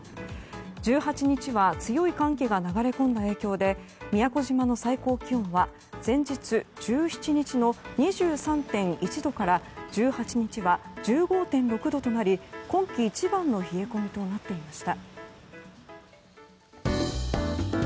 １８日には強い寒気が流れ込んだ影響で宮古島の最高気温は前日１７日の２３．１度から１８日は１５．６度となり今季一番の冷え込みとなっていました。